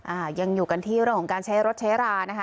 อ่ายังอยู่กันที่เรื่องของการใช้รถใช้รานะคะ